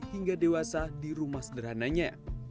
hingga dewasa di rumah sederhananya